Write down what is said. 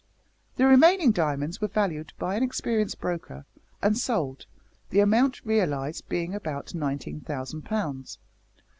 The remaining diamonds were valued by an experienced broker, and sold the amount realised being about 19,000 pounds.